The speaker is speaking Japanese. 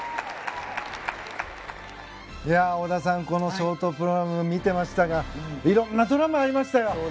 織田さんショートプログラム見ていましたがいろんなドラマがありましたよ。